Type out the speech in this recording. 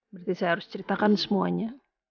berarti saya harus ceritakan semuanya